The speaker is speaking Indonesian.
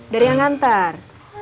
dari yang ngantar